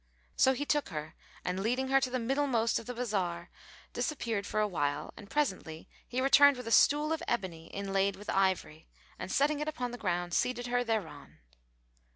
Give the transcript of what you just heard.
So he took her and leading her to the middlemost of the bazar disappeared for a while and presently he returned with a stool of ebony, inlaid with ivory, and setting it upon the ground, seated her thereon.